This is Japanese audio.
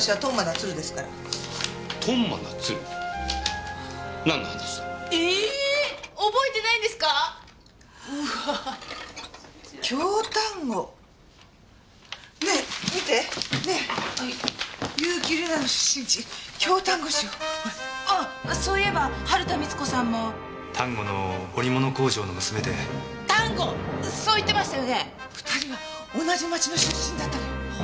２人は同じ町の出身だったのよ。